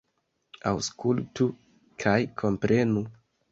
Aŭskultu kaj komprenu!